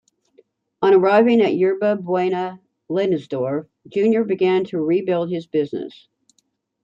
On arriving at Yerba Buena, Leidesdorff, Junior began to re-build his businesses.